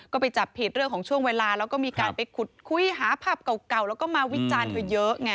ก็ไปจับผิดเรื่องของช่วงเวลาแล้วก็มีการไปขุดคุยหาภาพเก่าแล้วก็มาวิจารณ์เธอเยอะไง